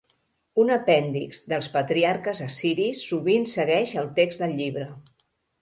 Un apèndix dels patriarques assiris sovint segueix el text del llibre.